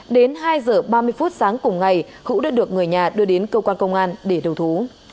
đến hai h ba mươi phút sáng cùng ngày hữu đã được người nhà đưa đến cơ quan công an để đầu thú